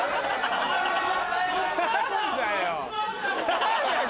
何だよ！